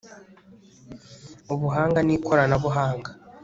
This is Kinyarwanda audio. ubuhanga n'ikoranabuhanga